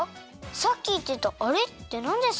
さっきいってたあれってなんですか？